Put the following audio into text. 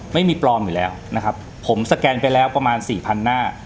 ไม่มีปลอมอยู่แล้วนะครับผมสแกนไปแล้วประมาณสี่พันหน้า